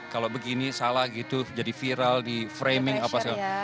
kalau begini salah gitu jadi viral di framing apa segala